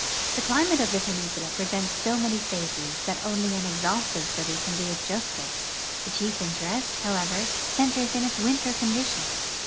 The climate of the peninsula presents so many phases that only an exhaustive study can do it justice. The chief interest, however, centers in its winter conditions.